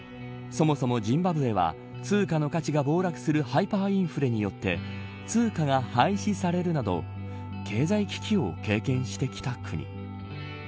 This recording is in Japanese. そもそもジンバブエは通貨の価値が暴落するハイパーインフレによって通貨が廃止されるなど経済危機を経験してきた国。